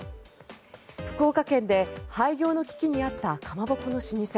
福岡県で廃業の危機にあったかまぼこの老舗。